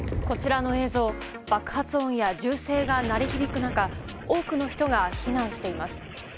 こちらの映像、爆発音や銃声が鳴り響く中多くの人が避難しています。